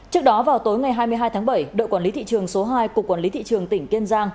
trước đó vào tối ngày hai mươi hai tháng bảy đội quản lý thị trường số hai cục quản lý thị trường tỉnh kiên giang